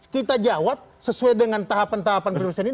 kita jawab sesuai dengan tahapan tahapan proses ini